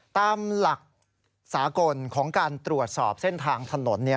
ตามหลักสากลของการตรวจสอบเส้นทางถนน